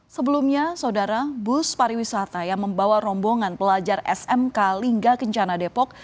sebelumnya saudara bus pariwisata yang membawa rombongan pelajar smk lingga kencana depok